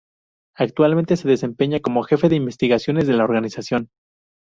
Actualmente se desempeña como jefe de investigaciones de la organización.